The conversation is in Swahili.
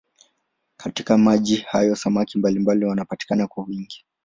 Katika maji hayo samaki mbalimbali wanapatikana kwa wingi.